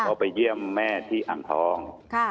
ออกไปเยี่ยมแม่ที่อร์มทรอง